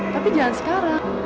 tapi jangan sekarang